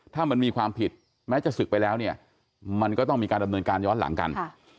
ถ้ามันมีความผิดแม้จะศึกไปแล้วเนี่ยมันก็ต้องมีการดำเนินการย้อนหลังกัน